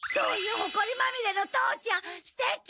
ほこりまみれの父ちゃんステキ！